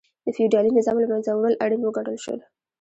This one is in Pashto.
د فیوډالي نظام له منځه وړل اړین وګڼل شو.